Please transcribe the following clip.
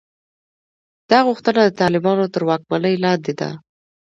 دا غوښتنه د طالبانو تر واکمنۍ لاندې ده.